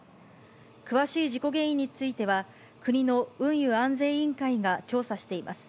詳しい事故原因については、国の運輸安全委員会が調査しています。